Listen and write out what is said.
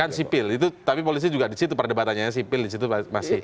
bukan sipil tapi polisi juga di situ perdebatannya sipil di situ masih